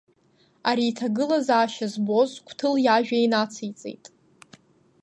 Ари иҭагылазаашьа збоз Қәҭыл иажәа инациҵеит…